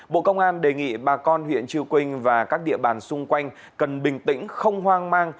bộ công an đề nghị bà con huyện chư quynh và các địa bàn xung quanh cần bình tĩnh không hoang mang